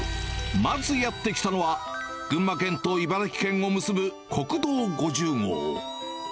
まずやって来たのは、群馬県と茨城県を結ぶ国道５０号。